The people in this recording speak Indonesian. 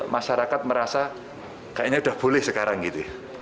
masyarakat merasa kayaknya udah boleh sekarang gitu ya